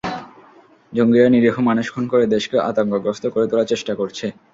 জঙ্গিরা নিরীহ মানুষ খুন করে দেশকে আতঙ্কগ্রস্ত করে তোলার চেষ্টা করছে।